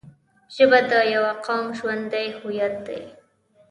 ژبه د یوه قوم ژوندی هویت دی